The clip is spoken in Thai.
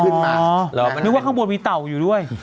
นึกว่าข้างบนมีเต่าอยู่ด้วย